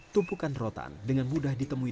tumpukan rotan dengan mudah ditemui